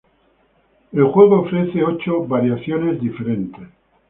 El juego ofrece ocho variaciones diferentes.